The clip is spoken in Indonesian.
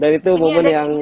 dan itu momen yang